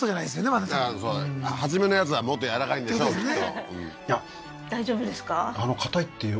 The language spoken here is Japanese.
まだ多分初めのやつはもっと軟らかいんでしょうきっと